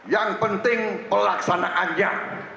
yang penting pelaksanaannya